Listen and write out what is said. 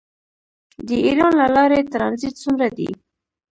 د ایران له لارې ټرانزیټ څومره دی؟